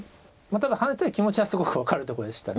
ただハネたい気持ちはすごく分かるとこでした。